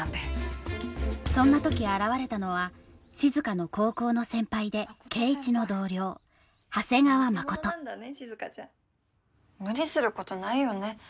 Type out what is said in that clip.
そんな時現れたのは静の高校の先輩で圭一の同僚長谷川真琴無理することないよね